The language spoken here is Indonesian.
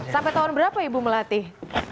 sampai tahun berapa ibu melatih